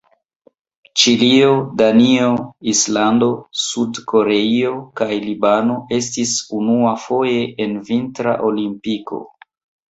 Ĉilio, Danio, Islando, Sud-Koreio kaj Libano estis unuafoje en Vintra Olimpiko.